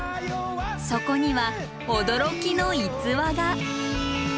そこには驚きの逸話が！